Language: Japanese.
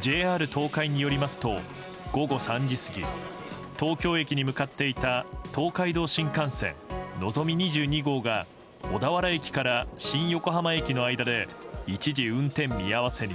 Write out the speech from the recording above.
ＪＲ東海によりますと午後３時過ぎ東京駅に向かっていた東海道新幹線「のぞみ２２号」が小田原駅から新横浜駅の間で一時運転見合わせに。